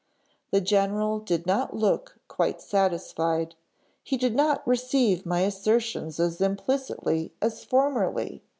The general did not look quite satisfied; he did not receive my assertions as implicitly as formerly.